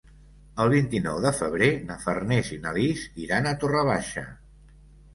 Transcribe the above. El vint-i-nou de febrer na Farners i na Lis iran a Torre Baixa.